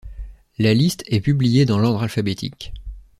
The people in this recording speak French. La liste est publiée dans l'ordre alphabétique.